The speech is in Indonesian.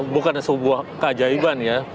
bukan sebuah keajaiban ya